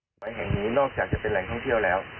ไฟแห่งนี้นอกจากจะเป็นแหล่งท่องเที่ยวแล้ว